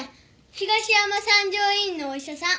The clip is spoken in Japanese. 東山三条医院のお医者さん。